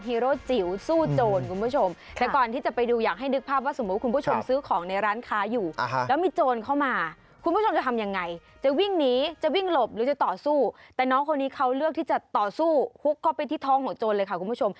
ฮุกเข้าไปที่ท้องของจรคุณผู้ชม